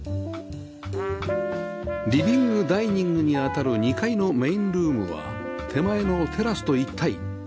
リビングダイニングにあたる２階のメインルームは手前のテラスと一体